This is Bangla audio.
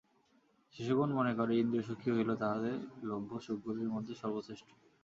শিশুগণ মনে করে, ইন্দ্রিয়সুখই হইল তাহাদের লভ্য সুখগুলির মধ্যে সর্বশ্রেষ্ঠ।